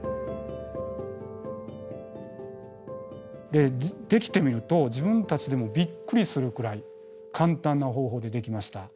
でできてみると自分たちでもびっくりするくらい簡単な方法でできました。